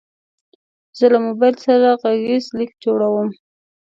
زه له موبایل سره غږیز لیک جوړوم.